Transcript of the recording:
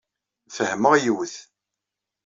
Fehmeɣ yiwet.